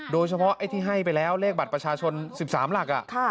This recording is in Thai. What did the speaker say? โดยเฉพาะไอ้ที่ให้ไปแล้วเลขบัตรประชาชน๑๓หลัก